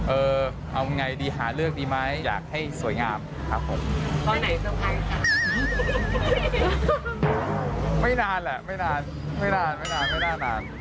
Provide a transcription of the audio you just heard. เออเอ้าไงดิหาเลือกดีมั้ยอยากให้สวยงามครับผม